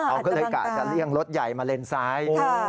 อาจจะเรียงรถใหญ่มาเล็นซ้าย